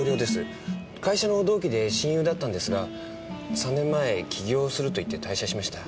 会社の同期で親友だったんですが３年前起業するといって退社しました。